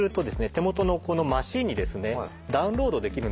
手元のマシンにですねダウンロードできるんですよ。